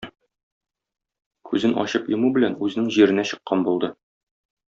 Күзен ачып йому белән, үзенең җиренә чыккан булды.